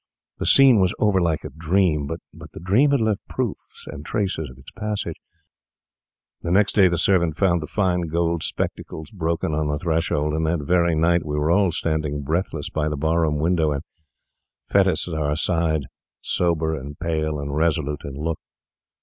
The scene was over like a dream, but the dream had left proofs and traces of its passage. Next day the servant found the fine gold spectacles broken on the threshold, and that very night we were all standing breathless by the bar room window, and Fettes at our side, sober, pale, and resolute in look.